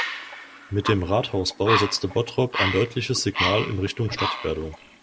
Mit dem Rathausbau setzte Bottrop ein deutliches Signal in Richtung Stadtwerdung.